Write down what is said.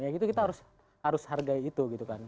ya gitu kita harus hargai itu gitu kan